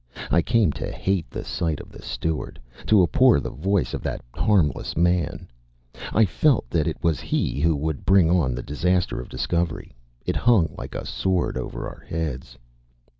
I came to hate the sight of the steward, to abhor the voice of that harmless man. I felt that it was he who would bring on the disaster of discovery. It hung like a sword over our heads.